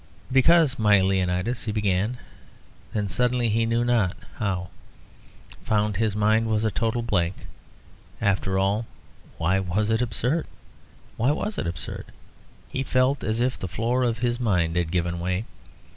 "Because, my Leonidas " he began, then suddenly, he knew not how, found his mind was a total blank. After all, why was it absurd? Why was it absurd? He felt as if the floor of his mind had given way.